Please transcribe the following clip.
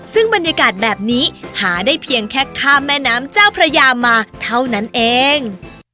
ซึ่งบรรยากาศแบบนี้หาได้เพียงแค่ข้ามแม่น้ำเจ้าพระยามาเท่านั้นเอง